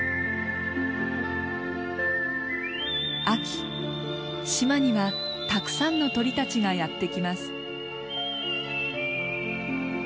秋島にはたくさんの鳥たちがやって来ます。